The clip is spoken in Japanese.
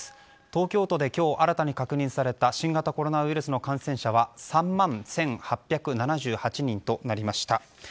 東京都で今日、新たに確認された新型コロナウイルスの感染者は３万１８７８人となりました。